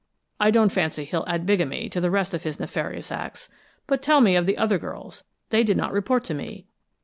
"I don't fancy he'll add bigamy to the rest of his nefarious acts. But tell me of the other girls. They did not report to me."